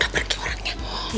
gak pergi orangnya